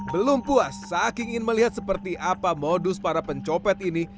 belum puas saking ingin melihat seperti apa modus para pencopet ini